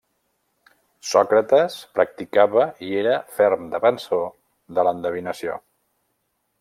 Sòcrates practicava i era ferm defensor de l'endevinació.